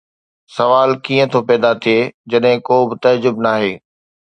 سوال ڪيئن ٿو پيدا ٿئي جڏهن ڪو به تعجب ناهي؟